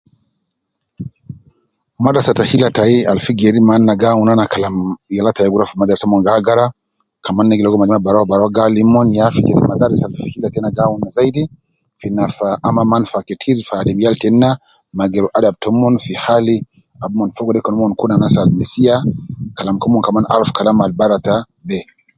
Madrasa ta hilla tayi al fi geri maana gi awun kalam yala tayi gi ruwa fi madrasa mon gi agara kaman ne gi ligo malima barau barau ab gi alim umon ya fi jede madaris al fi hilla tena gi awun zaidi fi nafa ama manfa ketir fi alim yal tena ma geeru adab taumon fi hali ab umon fogo de kede umon kun anas al nesiya kalam ke umon kaman aruf kalam al fi bara ta be.